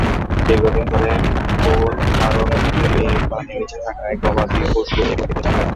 দীর্ঘদিন ধরে গোচারণভূমি পানির নিচে থাকায় গবাদি পশু নিয়ে বিপাকে পড়েছেন খামারিরা।